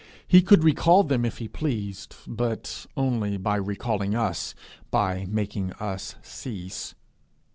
He could recall them if he pleased, but only by recalling us, by making us cease.